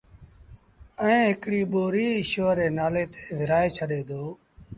ائيٚݩ هڪڙيٚ ٻوريٚ ايٚشور ري نآلي تي ورهآئي ڇڏي دو